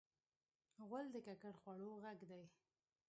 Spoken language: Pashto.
غول د ککړ خوړو غږ دی.